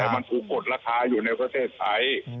มันถูกคงลักษณะอยู่ในประเทศไทย